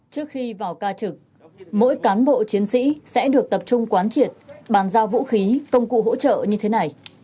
trước khi vào ca trực mỗi cán bộ chiến sĩ sẽ được tập trung quán triệt bàn giao vũ khí công cụ hỗ trợ như thế này